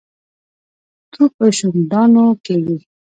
تو په شونډانو کېږي.